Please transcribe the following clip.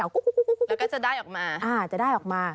แล้วก็จะได้ออกมา